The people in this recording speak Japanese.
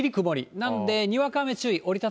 なんで、にわか雨注意。